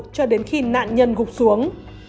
cho đến khi nạn nhân gục xuống